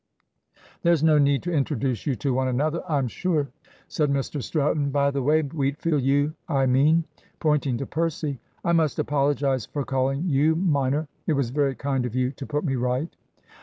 "There's no need to introduce you to one another, I'm sure," said Mr Stratton. "By the way, Wheatfield you I mean," pointing to Percy, "I must apologise for calling you minor. It was very kind of you to put me right."